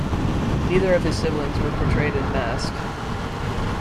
Neither of his siblings were portrayed in "Mask".